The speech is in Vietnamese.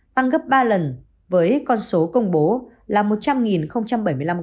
tăng gấp ba lần với con số công bố là một trăm linh bảy mươi năm ca từ khi dịch bệnh bùng phát tại nước này